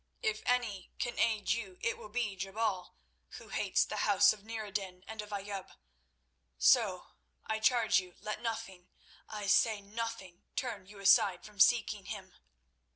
If any can aid you, it will be Jebal, who hates the Houses of Nur ed din and of Ayoub. So, I charge you, let nothing—I say nothing—turn you aside from seeking him.